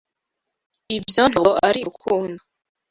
Ibyo ntabwo ari urukundo.